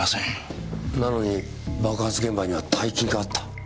なのに爆発現場には大金があった。